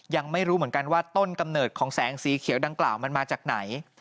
ยังไม่รู้เหมือนกันว่าต้นกำเนิดของแสงสีเขียวดังกล่าวมันมาจากไหน